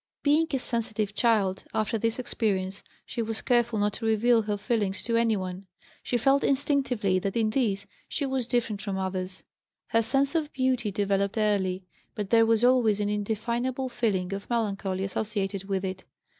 Being a sensitive child, after this experience she was careful not to reveal her feelings to anyone. She felt instinctively that in this she was different from others. Her sense of beauty developed early, but there was always an indefinable feeling of melancholy associated with it.